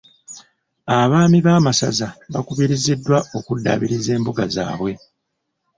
Abaami b'amasaza baakubiriziddwa okuddaabiriza embuga zaabwe.